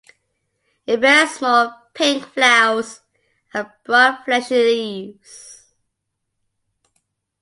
It bears small, pink flowers and broad, fleshy leaves.